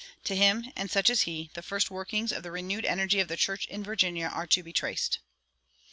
"To him, and such as he, the first workings of the renewed energy of the church in Virginia are to be traced."